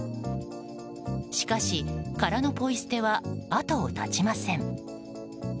しかし、殻のポイ捨ては後を絶ちません。